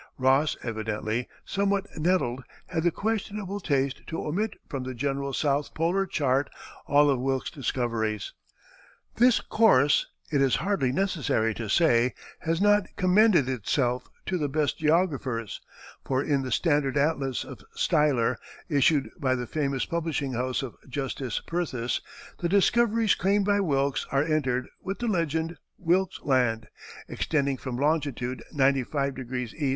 Ross, evidently somewhat nettled, had the questionable taste to omit from his general South Polar Chart all of Wilkes's discoveries. This course, it is hardly necessary to say, has not commended itself to the best geographers, for in the standard atlas of Stieler, issued by the famous publishing house of Justus Purthes, the discoveries claimed by Wilkes are entered, with the legend, "Wilkes Land," extending from longitude 95° E.